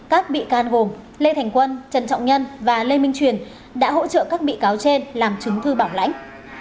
các bị can gồm lê thành quân trần trọng nhân và lê minh truyền đã hỗ trợ các bị cáo trên làm chứng thư bảo lãnh